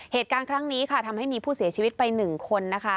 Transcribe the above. เหตุการณ์ครั้งนี้ค่ะทำให้มีผู้เสียชีวิตไป๑คนนะคะ